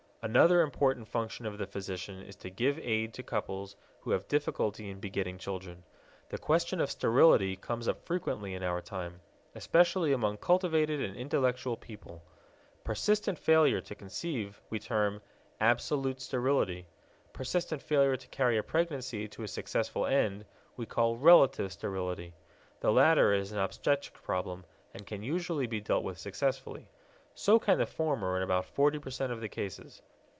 Another important function of the physician is to give aid to couples who have difficulty in begetting children. The question of sterility comes up frequently in our time, especially among cultivated and intellectual people. Persistent failure to conceive we term absolute sterility; persistent failure to carry pregnancy to a successful end, we call relative sterility. The latter is an obstetric problem and can usually be dealt with successfully. So can the former in about forty percent of the cases.